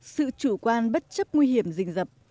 sự chủ quan bất chấp nguy hiểm rình rập